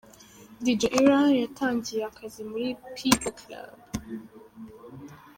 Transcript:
Dj Ira yari yatangiye akazi muri 'Peaple club'.